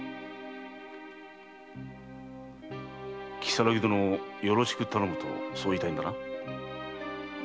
「如月殿をよろしく頼む」とそう言いたいんだな？